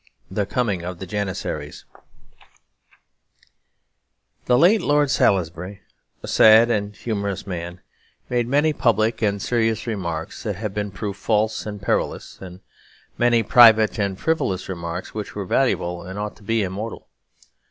IV The Coming of the Janissaries The late Lord Salisbury, a sad and humorous man, made many public and serious remarks that have been proved false and perilous, and many private and frivolous remarks which were valuable and ought to be immortal.